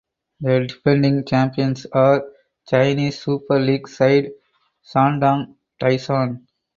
The defending champions are Chinese Super League side Shandong Taishan.